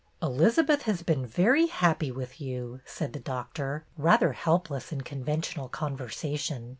"Elizabeth has been very happy with you," said the Doctor, rather helpless in conventional conversation.